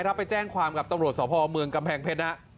ไปแจ้งความกับตำรวจสพเมืองกำแพงเพชรนะ